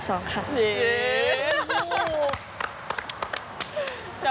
จบแล้ว